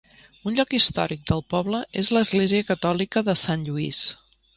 Un lloc històric del poble és l'església catòlica de Sant Lluís.